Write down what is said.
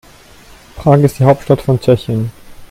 Prag ist die Hauptstadt von Tschechien.